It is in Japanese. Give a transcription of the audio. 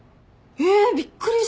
えびっくりした。